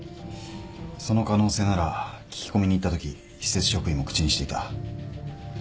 その可能性なら聞き込みに行ったとき施設職員も口にしていた。